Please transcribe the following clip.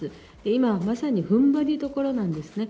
今がまさにふんばりどころなんですね。